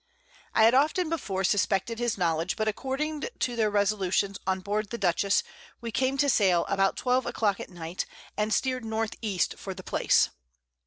I had often before suspected his Knowledge, but according to their Resolutions on board the Dutchess we came to sail about 12 a Clock at Night, and steer'd N. E. for the Place.